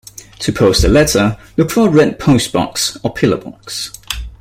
To post a letter, look for a red postbox or pillar box